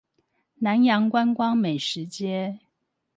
南洋觀光美食街